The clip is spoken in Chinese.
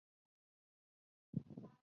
曲目部分皆为通常盘完整曲目。